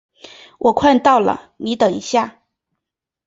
我快到了，你再等一下。